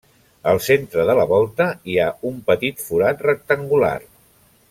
Al centre de la volta hi ha un petit forat rectangular.